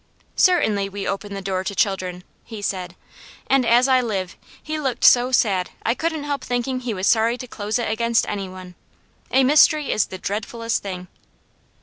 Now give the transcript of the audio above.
"Certainly we open the door to children," he said, and as I live, he looked so sad I couldn't help thinking he was sorry to close it against any one. A mystery is the dreadfulest thing.